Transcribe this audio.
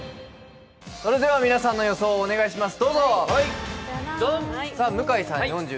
それでは皆さんの予想、お願いします。